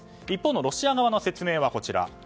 一方のロシア側の説明はこちら。